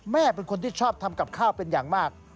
แม่เป็นคนที่ชอบทำกับข้าวเป็นอย่างมาก